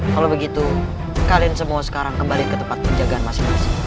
kalau begitu kalian semua sekarang kembali ke tempat penjagaan masing masing